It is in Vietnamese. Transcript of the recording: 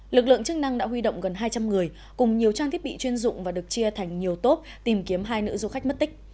lực lượng chức năng đã huy động gần hai trăm linh người cùng nhiều trang thiết bị chuyên dụng và được chia thành nhiều tốp tìm kiếm hai nữ du khách mất tích